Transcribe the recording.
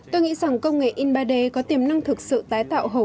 tôi nghĩ rằng công nghệ in ba d có tiềm năng thực sự tái tạo